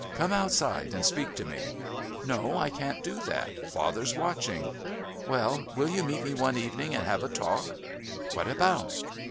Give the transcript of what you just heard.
"Come outside and speak to me." "No, I can't do that. Father's watching." "Well, will you meet me one evening and have a talk?" "What about?"